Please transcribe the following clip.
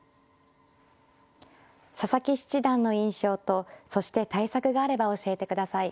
佐々木七段の印象とそして対策があれば教えてください。